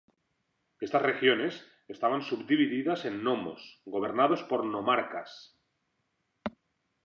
Estas regiones estaban subdivididas en nomos, gobernados por "nomarcas".